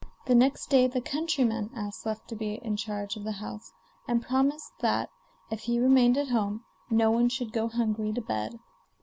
The next day the countryman asked to be left in charge of the house, and promised that, if he remained at home, no one should go hungry to bed.